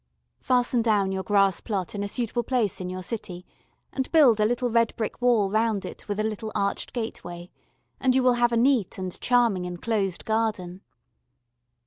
Fasten down your grass plot in a suitable place in your city and build a little red brick wall round it with a little arched gateway, and you will have a neat and charming enclosed garden.